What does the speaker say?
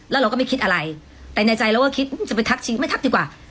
แล้วเราก็ไม่คิดอะไรแต่ในใจเราก็คิดจะไปทักชิงไม่ทักดีกว่า